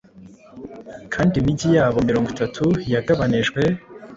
Kandi imigi yabo mirongo itatu yagabanijwe